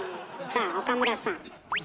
さあ岡村さん。